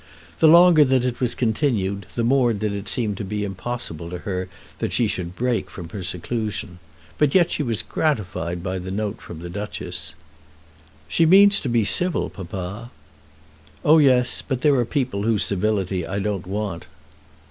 The longer that it was continued the more did it seem to be impossible to her that she should break from her seclusion. But yet she was gratified by the note from the Duchess. "She means to be civil, papa." "Oh yes; but there are people whose civility I don't want."